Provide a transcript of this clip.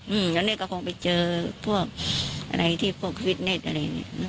อืมแล้วเนี่ยก็คงไปเจอพวกอะไรที่พวกฟิตเน็ตอะไรเนี้ย